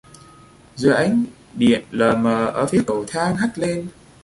Dưới ánh điện lờ mờ ở phía cầu thang hắt lên